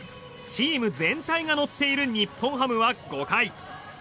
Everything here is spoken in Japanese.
チーム全体が乗っている日本ハムは５回。